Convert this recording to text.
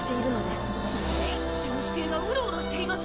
巡視艇がウロウロしています。